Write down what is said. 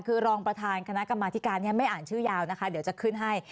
คือรองประธานคณะกรรมธิการไม่อ่านชื่อยาวนะคะเดี๋ยวจะขึ้นให้